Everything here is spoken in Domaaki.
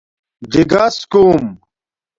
ِژِگس کُوم